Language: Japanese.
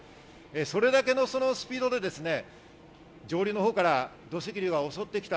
それだけのスピードで上流のほうから土石流が襲ってきた。